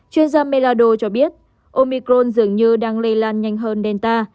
chuyên gia melado cho biết omicron dường như đang lây lan nhanh hơn delta